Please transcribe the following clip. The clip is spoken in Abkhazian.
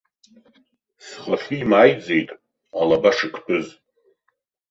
Схахьы имааиӡеит алаба шыктәыз.